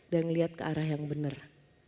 dan ngeliat ke arah yang bener